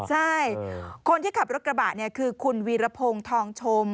ใช่คนที่ขับรถกระบะเนี่ยคือคุณวีรพงศ์ทองชม